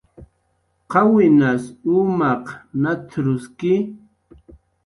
"¿Qawinas umaq nat""ruski?"